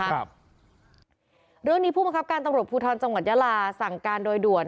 เรื่องนี้ผู้บังคับการตำรวจภูทรจังหวัดยาลาสั่งการโดยด่วน